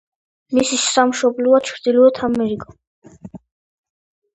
მისი სამშობლოა ჩრდილოეთი ამერიკა.